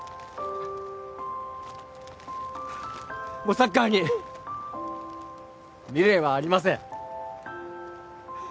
もうサッカーに未練はありません